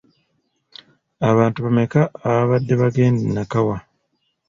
Abantu bameka abaabadde bagenda e Nakawa?